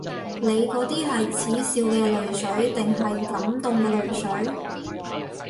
你嗰啲係恥笑嘅淚水定感動嘅淚水？